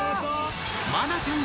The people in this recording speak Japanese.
愛菜ちゃん